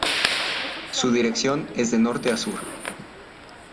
Su dirección es de norte a sur.